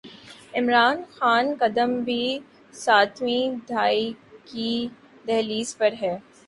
عمران خان کا قدم بھی ساتویں دھائی کی دہلیز پر ہے۔